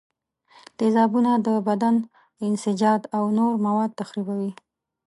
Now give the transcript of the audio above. تیزابونه د بدن انساج او نور مواد تخریبوي.